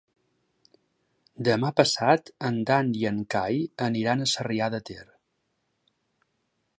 Demà passat en Dan i en Cai aniran a Sarrià de Ter.